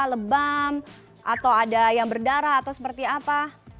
lebam atau ada yang berdarah atau seperti apa